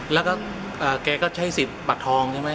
แล้วก็แกก็ใช้สิทธิ์บัตรทองใช่ไหม